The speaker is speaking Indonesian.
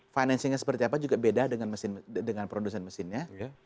financingnya seperti apa juga beda dengan produsen mesinnya